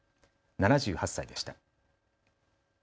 ７８歳でした。